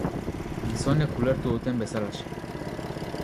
Gizonek ulertu duten bezalaxe.